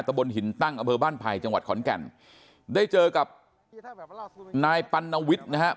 บนหินตั้งอำเภอบ้านไผ่จังหวัดขอนแก่นได้เจอกับนายปัณวิทย์นะครับ